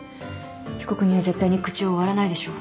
被告人は絶対に口を割らないでしょう。